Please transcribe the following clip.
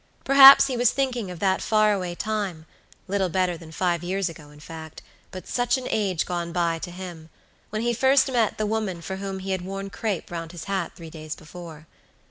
Perhaps he was thinking of that far away timelittle better than five years ago, in fact; but such an age gone by to himwhen he first met the woman for whom he had worn crape round his hat three days before.